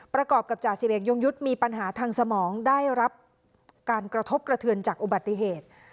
ประกอบกับจ่าสิบเอกยงยุทธ์มีปัญหาทางสมองได้รับการกระทบกระเทือนจากอุบัติเหตุ